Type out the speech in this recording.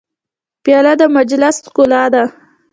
پیاله د مجلس ښکلا ده.